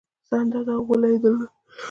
څه اندازه غولی یې درلود.